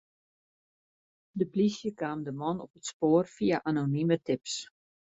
De polysje kaam de man op it spoar fia anonime tips.